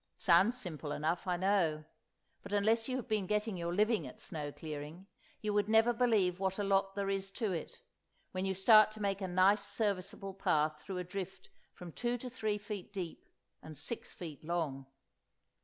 It sounds simple enough, I know; but unless you've been getting your living at snow clearing, you would never believe what a lot there is to it, when you start to make a nice serviceable path through a drift from two to three feet deep, and six feet long.